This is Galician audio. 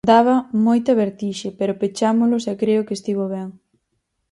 Daba moita vertixe, pero pechámolos e creo que estivo ben.